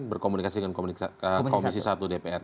berkomunikasi dengan komisi satu dpr